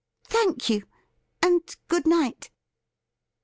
' Thank you, and good night.'